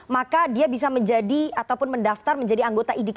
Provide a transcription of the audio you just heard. maka dia bisa menjadi ataupun mendaftar menjadi anggota idk